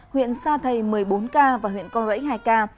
huyện sa thầy một mươi bốn ca và huyện con rẫy hai ca